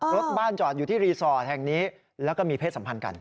รถบ้านจอดอยู่ที่รีสอร์ทแห่งนี้แล้วก็มีเพศสัมพันธ์กัน